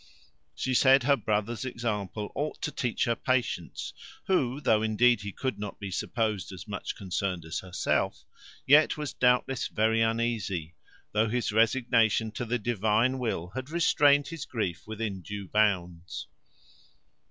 She said her brother's example ought to teach her patience, who, though indeed he could not be supposed as much concerned as herself, yet was, doubtless, very uneasy, though his resignation to the Divine will had restrained his grief within due bounds.